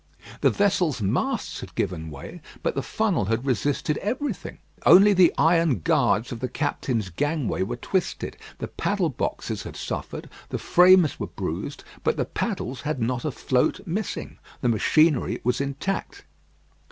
The vessel's masts had given way, but the funnel had resisted everything. Only the iron guards of the captain's gangway were twisted; the paddle boxes had suffered, the frames were bruised, but the paddles had not a float missing. The machinery was intact.